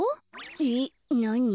えっなに？